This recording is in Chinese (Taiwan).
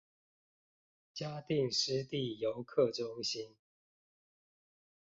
茄萣濕地遊客中心